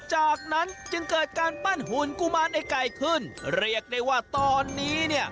จากนั้นจึงเกิดการปั้นหุ่นกุมารไอ้ไก่ขึ้นเรียกได้ว่าตอนนี้เนี่ย